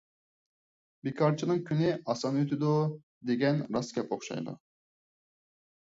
بىكارچىنىڭ كۈنى ئاسان ئۆتىدۇ، دېگەن راست گەپ ئوخشايدۇ.